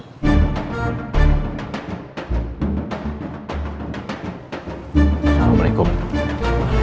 tidak ada yang bisa dipercaya